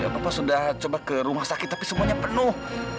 bapak sudah coba ke rumah sakit tapi semuanya penuh